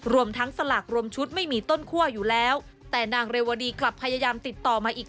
รวมทั้งสลากรวมชุดไม่มีต้นคั่วอยู่แล้วแต่นางเรวดีกลับพยายามติดต่อมาอีก